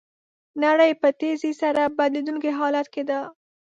نړۍ په تېزۍ سره بدلیدونکي حالت کې ده.